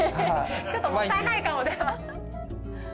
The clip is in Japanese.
ちょっともったいないかもな。